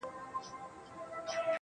هغه چي ځان زما او ما د ځان بولي عالمه.